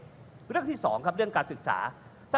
แล้วก็เรื่องที่สองเรื่องการศึกษา